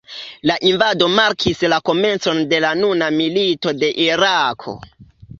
La invado markis la komencon de la nuna milito de Irako.